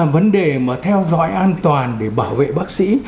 vấn đề mà theo dõi an toàn để bảo vệ bác sĩ